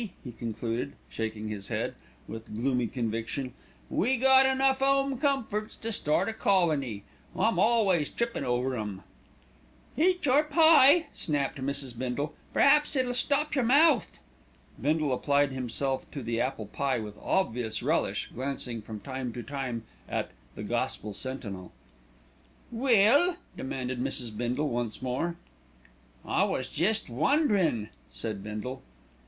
he concluded, shaking his head with gloomy conviction, "we got enough 'ome comforts to start a colony, I'm always trippin' over 'em." "Eat your pie," snapped Mrs. Bindle, "perhaps it'll stop your mouth." Bindle applied himself to the apple pie with obvious relish, glancing from time to time at The Gospel Sentinel. "Well?" demanded Mrs. Bindle once more. "I was jest wonderin'," said Bindle.